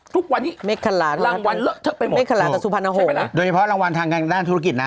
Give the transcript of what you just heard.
ทุกวันนี้รางวัลเลอะเทาะไปหมดใช่ไหมนะโดยเฉพาะรางวัลทางด้านธุรกิจนะ